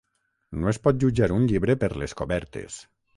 No es pot jutjar un llibre per les cobertes.